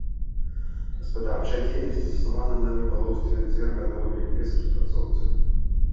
Гаспадарчая дзейнасць заснавана на рыбалоўстве, зверагадоўлі, лесараспрацоўцы.